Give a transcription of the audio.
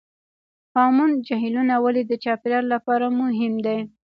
هامون جهیلونه ولې د چاپیریال لپاره مهم دي؟